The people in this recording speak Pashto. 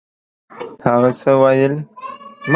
هغه څه ویل؟